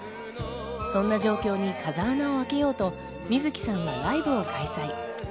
そんな状況に風穴を開けようと、水木さんはライブを開催。